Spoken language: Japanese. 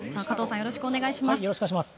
加藤さんよろしくお願いします。